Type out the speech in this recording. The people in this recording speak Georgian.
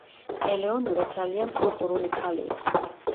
ელეონორა ძალიან კულტურული ქალი იყო.